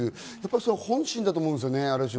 それが本心だと思うんですよね。